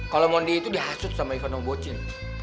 kalau mondi itu dihasut sama ivano bocil